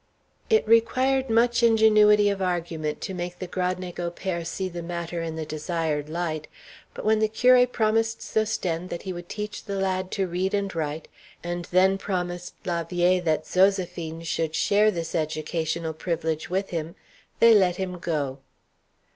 It required much ingenuity of argument to make the Gradnego pair see the matter in the desired light; but when the curé promised Sosthène that he would teach the lad to read and write, and then promised la vieille that Zoséphine should share this educational privilege with him, they let him go.